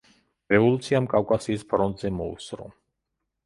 რევოლუციამ კავკასიის ფრონტზე მოუსწრო.